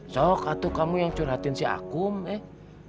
sok atu kamu yang curhatin si akum eh